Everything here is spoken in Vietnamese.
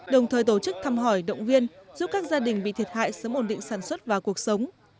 đồng thời tổ chức thăm hỏi động viên giúp các gia đình bị thiệt hại sớm ổn định sản xuất và cuộc sống